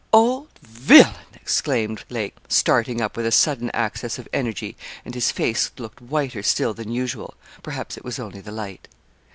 'Old villain!' exclaimed Lake, starting up, with a sudden access of energy, and his face looked whiter still than usual perhaps it was only the light.